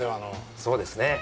そうですね。